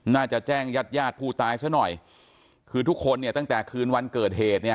น่าจะแจ้งญาติญาติผู้ตายซะหน่อยคือทุกคนเนี่ยตั้งแต่คืนวันเกิดเหตุเนี่ย